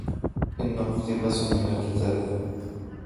إنهُ أقتباس من الكتاب.